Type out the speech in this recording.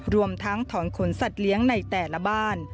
รวมทั้งถอนขนสัตว์เลี้ยงในแต่ละบ้าน